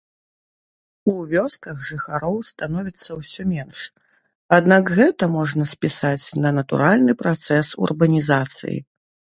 У вёсках жыхароў становіцца ўсё менш, аднак гэта можна спісаць на натуральны працэс урбанізацыі.